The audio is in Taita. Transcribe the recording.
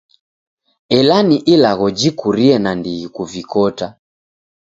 Ela ni ilagho jikurie nandighi kuvikota.